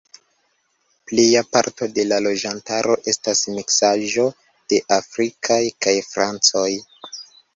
Pleja parto de la loĝantaro estas miksaĵo de afrikaj kaj francoj.